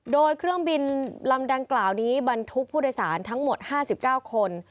โดยเครื่องบินลำดังกล่าวนี้บรรทุกผู้โดยสารทั้งหมด๕๙คน